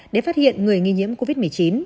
để phát hiện người nghi nhiễm covid một mươi chín